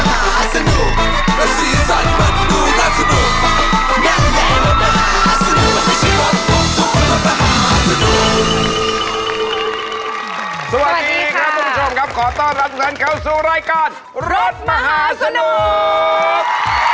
สวัสดีครับคุณผู้ชมครับขอต้อนรับทุกท่านเข้าสู่รายการรถมหาสนุก